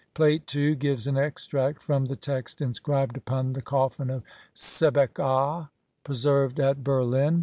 Plate II gives an extract from the text inscribed upon the coffin of Sebek aa preserved at Berlin.